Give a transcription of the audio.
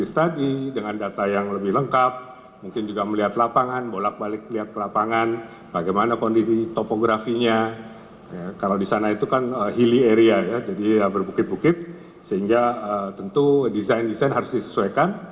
sehingga tentu desain desain harus disesuaikan